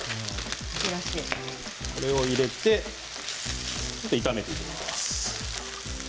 これを入れて炒めていきます。